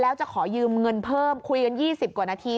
แล้วจะขอยืมเงินเพิ่มคุยกัน๒๐กว่านาที